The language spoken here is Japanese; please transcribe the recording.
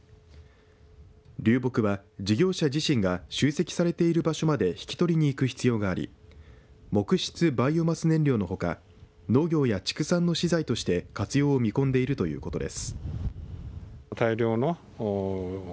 流木は事業者自身が集積されている場所まで引き取りに行く必要があり木質バイオマス燃料のほか農業や畜産の資材として活用を見込んでいるということです。